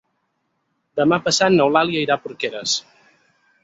Demà passat n'Eulàlia irà a Porqueres.